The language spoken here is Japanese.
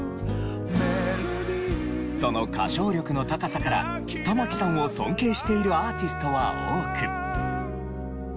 その歌唱力の高さから玉置さんを尊敬しているアーティストは多く。